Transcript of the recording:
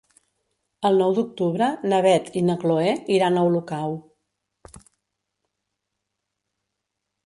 El nou d'octubre na Beth i na Chloé iran a Olocau.